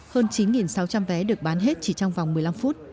hơn chín sáu trăm linh vé được bán hết chỉ trong vòng một mươi năm phút